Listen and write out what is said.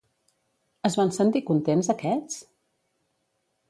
Es van sentir contents aquests?